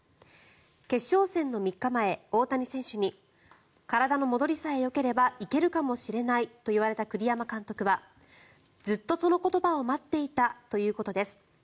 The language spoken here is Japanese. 決勝戦の３日前、大谷選手に体の戻りさえよければ行けるかもしれないと言われた栗山監督はずっとその言葉を待っていたということです。